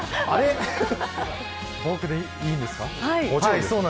僕でいいんですか。